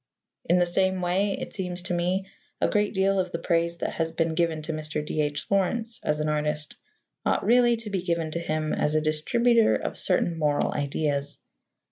In the same way, it seems to me, a great deal of the praise that has been given to Mr. D.H. Lawrence as an artist ought really to be given to him as a distributor of certain moral ideas.